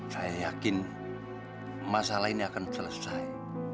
saya yakin masalah ini akan selesai